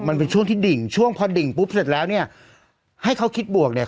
มันเป็นช่วงที่ดิ่งช่วงพอดิ่งปุ๊บเสร็จแล้วเนี่ยให้เขาคิดบวกเนี่ย